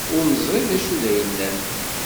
Ur nezṛi acu i d ayennat.